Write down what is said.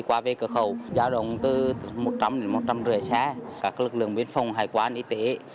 qua về cửa khẩu giao động từ một trăm linh một trăm năm mươi xe các lực lượng biên phòng hải quán y tế